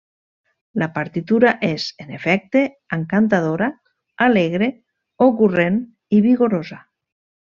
La partitura és, en efecte, encantadora, alegre, ocurrent i vigorosa.